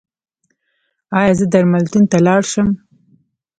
ایا زه درملتون ته لاړ شم؟